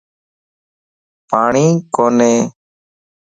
پاڻين ڪوني.